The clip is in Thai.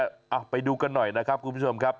เอาไปดูกันหน่อยนะครับคุณผู้ชมครับ